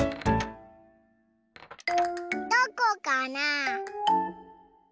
どこかな？